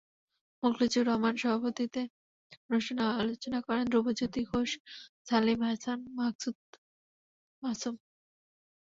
মোখলেছুর রহমানের সভাপতিত্বে অনুষ্ঠানে আলোচনা করেন ধ্রুবজ্যোতি ঘোষ, সালিম হাসান, মাকসুদ মাসুম।